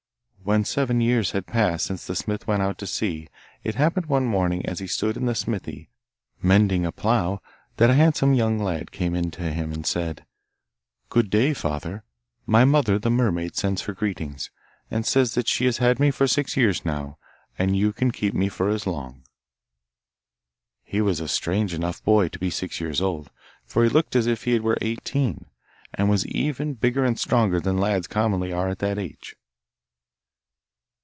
When seven years had passed since the smith went out to sea, it happened one morning, as he stood in the smithy, mending a plough, that a handsome young lad came in to him and said, 'Good day, father; my mother the mermaid sends her greetings, and says that she has had me for six years now, and you can keep me for as long.' He was a strange enough boy to be six years old, for he looked as if he were eighteen, and was even bigger and stronger than lads commonly are at that age.